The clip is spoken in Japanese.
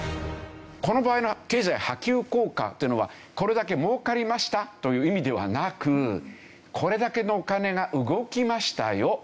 この場合の経済波及効果っていうのはこれだけ儲かりましたという意味ではなくこれだけのお金が動きましたよ。